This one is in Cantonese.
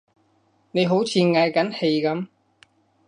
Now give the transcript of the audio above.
你好似歎緊氣噉